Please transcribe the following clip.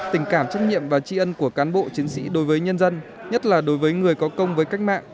tình cảm trách nhiệm và tri ân của cán bộ chiến sĩ đối với nhân dân nhất là đối với người có công với cách mạng